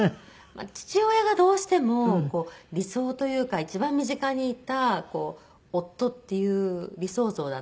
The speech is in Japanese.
父親がどうしても理想というか一番身近にいた夫っていう理想像だったので。